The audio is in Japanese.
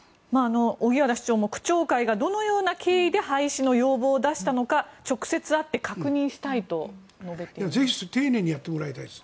荻原市長も区長会がどのような経緯で廃止の要望を出したのか直接会って確認したいと述べています。